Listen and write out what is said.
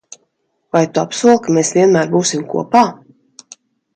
Vai tu apsoli, ka mēs vienmēr būsim kopā?